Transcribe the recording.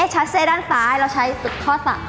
ชัดเซด้านซ้ายเราใช้ข้อสักข้อสัก๓โอเค